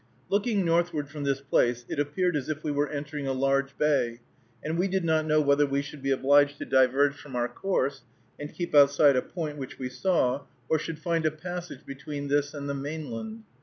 Looking northward from this place it appeared as if we were entering a large bay, and we did not know whether we should be obliged to diverge from our course and keep outside a point which we saw, or should find a passage between this and the mainland.